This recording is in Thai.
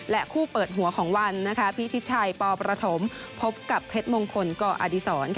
คู่เปิดหัวของวันพิชิดชัยปประถมพบกับเพชรมงคลก่ออดีศร